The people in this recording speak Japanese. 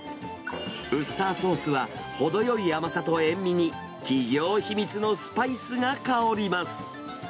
ウスターソースは、ほどよい甘さと塩味に、企業秘密のスパイスが香ります。